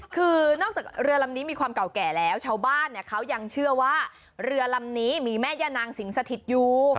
คือนอกจากเรือลำนี้มีความเก่าแก่แล้วชาวบ้านเขายังเชื่อว่าเรือลำนี้มีแม่ย่านางสิงสถิตอยู่